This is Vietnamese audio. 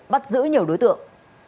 bắt giữ nhiều đối tượng